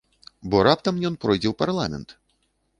Бо раптам ён пройдзе ў парламент?